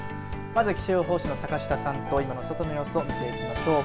まず、気象予報士の坂下さんと外の様子を見ていきましょう。